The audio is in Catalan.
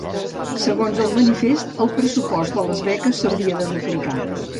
Segons el manifest el pressupost de les beques s'hauria de duplicar.